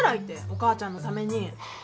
お母ちゃんのために。